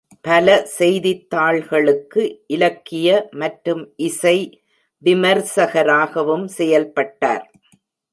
பல செய்தித்தாள்களுக்கு இலக்கிய மற்றும் இசை விமர்சகராகவும் செயல்பட்டார்.